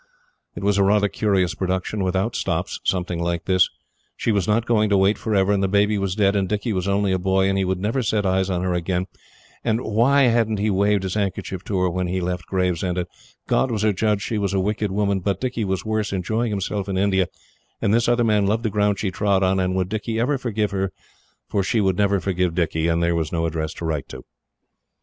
It was a rather curious production, without stops, something like this: "She was not going to wait forever and the baby was dead and Dicky was only a boy and he would never set eyes on her again and why hadn't he waved his handkerchief to her when he left Gravesend and God was her judge she was a wicked woman but Dicky was worse enjoying himself in India and this other man loved the ground she trod on and would Dicky ever forgive her for she would never forgive Dicky; and there was no address to write to."